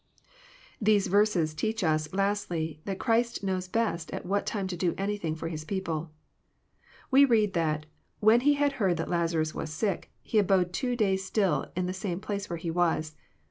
These verses teach us, lastly, that Christ knows best at wlvat time to do anything for His people. We read that ^^ when He had heard that Lazarus was sick, He abode two days still in the same place where He was."